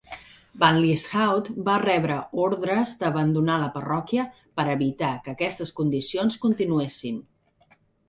Van Lieshout va rebre ordres d'abandonar la parròquia per evitar que aquestes condicions continuessin.